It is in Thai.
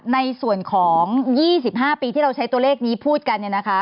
ในส่วนของ๒๕ปีที่เราใช้ตัวเลขนี้พูดกันเนี่ยนะคะ